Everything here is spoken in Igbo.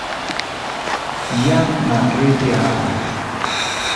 ya na redio ahụ